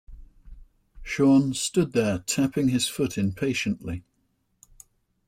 Sean stood there tapping his foot impatiently.